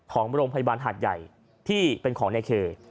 ของโรงพยาบาลหาดใหญ่ที่เป็นของในเค